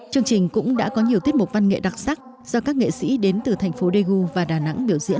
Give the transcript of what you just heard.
chương trình cũng đã có nhiều tiết mục văn nghệ đặc sắc do các nghệ sĩ đến từ thành phố daegu và đà nẵng biểu diễn